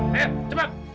bikin pusing kerja kamu ini